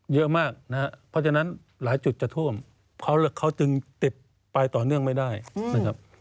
เยอะมากนะครับเพราะฉะนั้นหลายจุดจะท่วมเขาจึงติดไปต่อเนื่องไม่ได้นะครับ